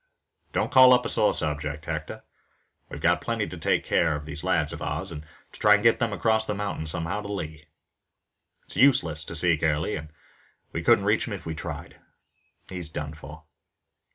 Don't call up a sore subject, Hector. We've got to take care of these lads of ours, and try to get them across the mountain somehow to Lee. It's useless to seek Early and we couldn't reach him if we tried. He's done for."